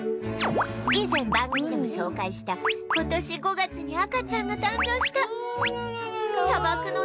以前番組でも紹介した今年５月に赤ちゃんが誕生した砂漠の